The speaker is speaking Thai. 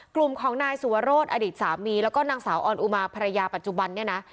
กลุ่มของนายสุวรสอดีตสามีแล้วก็นางสาวออนอุมาภรรยาปัจจุบันเนี่ยนะ